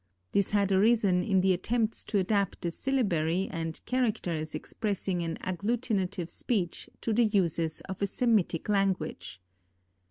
This had arisen in the attempts to adapt a syllabary and characters expressing an agglutinative speech to the uses of a Semitic language.